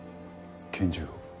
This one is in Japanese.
拳銃を？